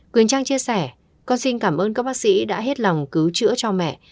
quỳnh trang chia sẻ con xin cảm ơn các bác sĩ đã hết lòng cứu chữa cho mẹ